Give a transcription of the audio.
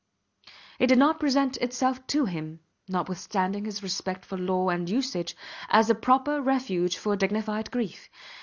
It did not present itself to him, notwithstanding his respect for law and usage, as a proper refuge for dignified grief.